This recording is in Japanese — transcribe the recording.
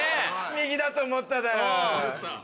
右だと思っただろ？